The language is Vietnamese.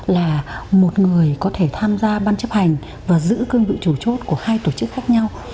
là một người có thể tham gia ban chấp hành và giữ cương vị chủ chốt của hai tổ chức khác nhau